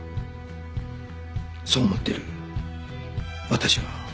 そう思ってる私は。